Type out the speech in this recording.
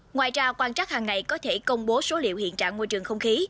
ngoài ra quan trắc hàng ngày có thể công bố số liệu hiện trạng môi trường không khí